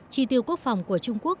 tri tiêu quốc phòng của trung quốc